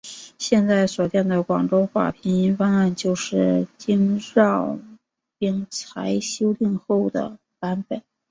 现在所见的广州话拼音方案就是经饶秉才修订后的版本。